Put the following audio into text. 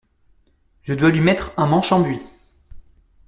Je dois lui mettre un manche en buis.